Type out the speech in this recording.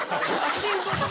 心臓。